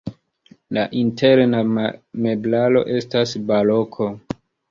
La interna meblaro estas baroko.